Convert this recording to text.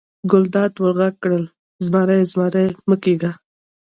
ګلداد ور غږ کړل: مزری مزری مه کېږه.